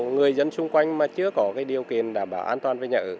người dân xung quanh mà chưa có cái điều kiện đảm bảo an toàn với nhà ở